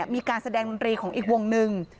มีการแสดงดนตรีของอีกวงหนึ่ง